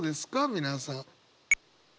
皆さん。